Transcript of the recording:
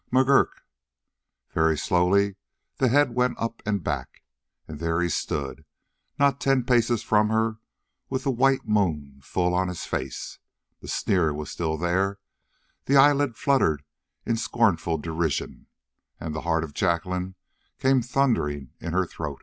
"McGurk!" Very slowly the head went up and back, and there he stood, not ten paces from her, with the white moon full on his face. The sneer was still there; the eyelid fluttered in scornful derision. And the heart of Jacqueline came thundering in her throat.